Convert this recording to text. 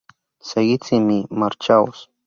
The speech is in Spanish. Seguid sin mí. Marchaos.